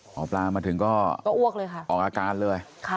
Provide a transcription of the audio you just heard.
หมอปลามาถึงก็อ้วกเลยค่ะออกอาการเลย